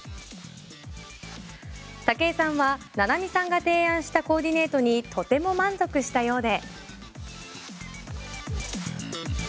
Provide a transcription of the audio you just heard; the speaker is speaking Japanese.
武井さんはＮＡＮＡＭＩさんが提案したコーディネートにとても満足したようで。